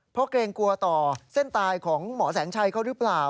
เพราะเกรงกลัวต่อเส้นตายของหมอแสงชัยเขาหรือเปล่า